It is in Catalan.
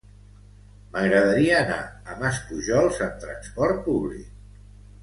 M'agradaria anar a Maspujols amb trasport públic.